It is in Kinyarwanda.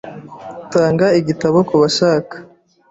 Tanga igitabo kubashaka.